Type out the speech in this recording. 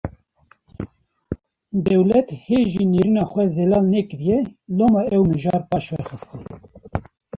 Dewlet hê jî nêrîna xwe zelal nekiriye, loma ev mijar paşve xistin